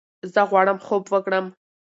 زۀ غواړم خوب وکړم!